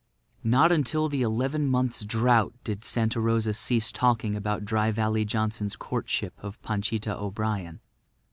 Not until the eleven months' drought did Santa Rosa cease talking about Dry Valley Johnson's courtship of Panchita O'Brien.